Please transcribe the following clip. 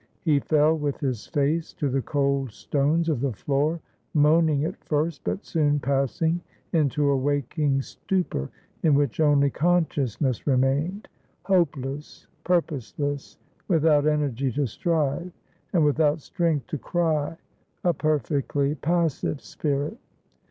He fell with his face to the cold stones of the floor, moan ing at first, but soon passing into a waking stupor in which only consciousness remained: hopeless, purpose less, without energy to strive, and without strength to cry — a perfectly passive spirit.